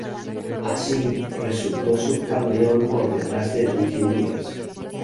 Así, resultó subcampeón por detrás de Rick Mears.